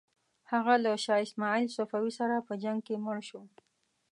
هغه له شاه اسماعیل صفوي سره په جنګ کې مړ شو.